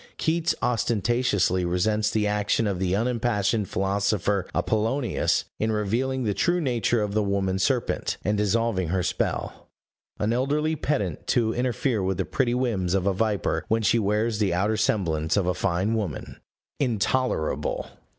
Keats ostentatiously resents the action of the unimpassioned philosopher Appollonius in revealing the true nature of the woman serpent, and dissolving her spell. An elderly pedant to interfere with the pretty whims of a viper when she wears the outer semblance of a fine woman! Intolerable!